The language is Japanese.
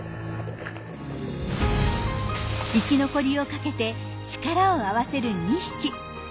生き残りをかけて力を合わせる２匹。